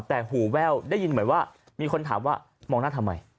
แต่หูแว่วได้ยินเหมือนว่ามีคนถามว่ามองหน้าทำไม